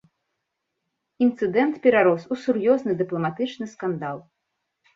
Інцыдэнт перарос у сур'ёзны дыпламатычны скандал.